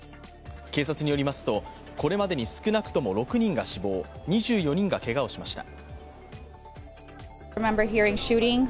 警察によりますと、これまでに少なくとも６人が死亡２４人がけがをしました。